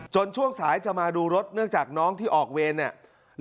ช่วงสายจะมาดูรถเนื่องจากน้องที่ออกเวรเนี่ย